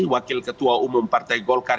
wakil ketua umum partai golkar